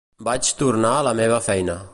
Vaig tornar a la meva feina.